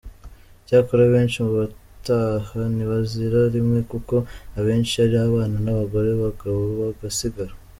Cyakora abenshi mu bataha ntibazira rimwe kuko abenshi ari abana n’abagore, abagabo bagasigara.